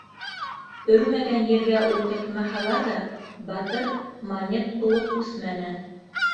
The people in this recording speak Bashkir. Өрмәгән ергә ултыртмаһалар ҙа, Батыр монет булып үҫмәне.